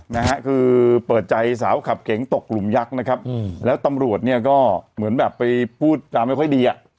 นะฮะคือเปิดใจสาวขับเก๋งตกหลุมยักษ์นะครับอืมแล้วตำรวจเนี่ยก็เหมือนแบบไปพูดจาไม่ค่อยดีอ่ะ